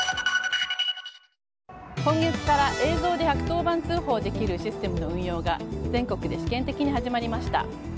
今月から映像で１１０番通報できるシステムの運用が全国で試験的に始まりました。